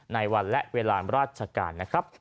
ในวันและเวลาราชการ